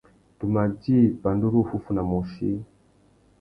Tu mà djï pandúruffúffuna môchï.